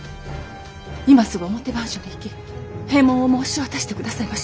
今すぐ面番所に行き閉門を申し渡してくださいまし。